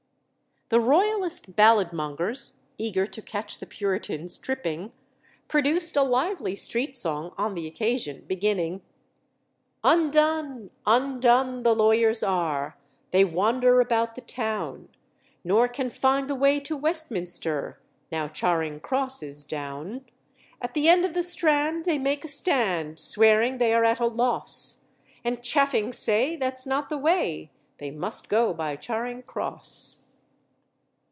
The Royalist ballad mongers, eager to catch the Puritans tripping, produced a lively street song on the occasion, beginning "Undone, undone the lawyers are, They wander about the town, Nor can find the way to Westminster, Now Charing Cross is down. At the end of the Strand they make a stand, Swearing they are at a loss, And chaffing say that's not the way, They must go by Charing Cross."